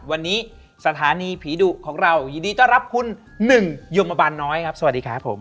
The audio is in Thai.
วันนี้สถานีผีดุของเรายินดีต้อนรับคุณหนึ่งยมบาลน้อยครับสวัสดีครับผม